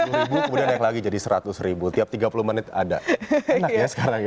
rp tiga puluh kemudian naik lagi jadi rp seratus tiap tiga puluh menit ada enak ya sekarang ya